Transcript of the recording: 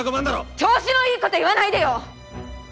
調子のいいこと言わないでよ